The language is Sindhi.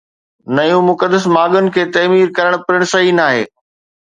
نيون مقدس ماڳن کي تعمير ڪرڻ پڻ صحيح ناهي